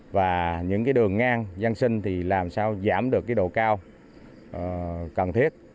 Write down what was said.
và những đường ngang gian sinh thì làm sao giảm được độ cao cần thiết